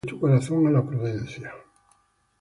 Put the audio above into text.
Si inclinares tu corazón á la prudencia;